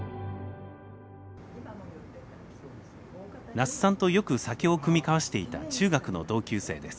那須さんとよく酒を酌み交わしていた中学の同級生です。